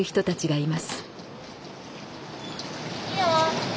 いいよ。